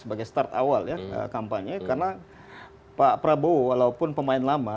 sebagai start awal ya kampanye karena pak prabowo walaupun pemain lama